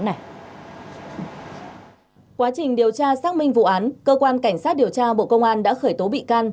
quá trình điều tra xác minh vụ án cơ quan cảnh sát điều tra bộ công an đã khởi tố bị can